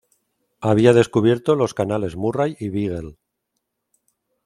Había descubierto los canales Murray y Beagle.